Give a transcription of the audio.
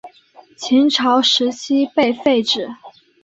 秦朝时期被废止。